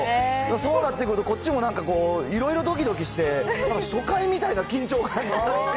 そうなってくると、こっちもなんかこう、いろいろどきどきして、なんか初回みたいな緊張感があって。